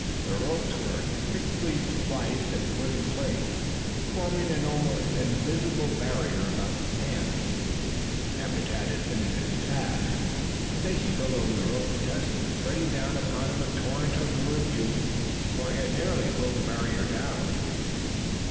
The ropes were quickly spliced and put in place, forming an almost invisible barrier about the camp. After Tad had finished his task, Stacy fell over the rope to test it, bringing down upon him a torrent of rebuke, for he had nearly pulled the barrier down.